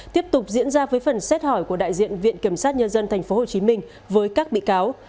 tiếp tục diễn ra với phần xét hỏi của đại diện viện kiểm sát nhân dân tp hcm với các bị cáo